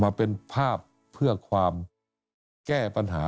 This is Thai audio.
มาเป็นภาพเพื่อความแก้ปัญหา